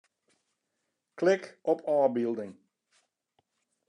Klik op ôfbylding.